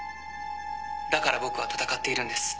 だから僕は戦っているんです。